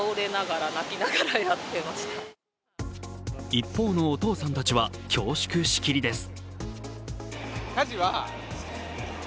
一方のお父さんたちは恐縮しきりです。